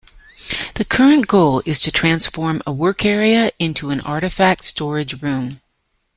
A current goal is to transform a work area into an artifact storage room.